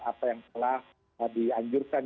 apa yang telah dianjurkan